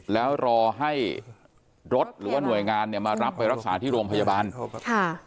แล้วรอให้รถหรือว่าหน่วยงานเนี่ยมารับไปรักษาที่โรงพยาบาลค่ะ